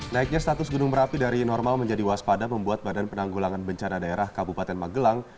naiknya status gunung merapi dari normal menjadi waspada membuat badan penanggulangan bencana daerah kabupaten magelang